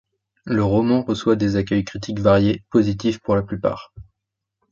Le roman reçoit des accueils critiques variés, positifs pour la plupart.